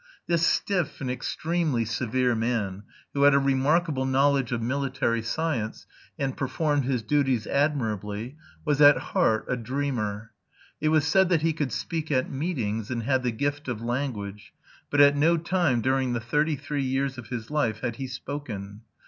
This stiff and extremely severe man, who had a remarkable knowledge of military science and performed his duties admirably, was at heart a dreamer. It was said that he could speak at meetings and had the gift of language, but at no time during the thirty three years of his life had he spoken.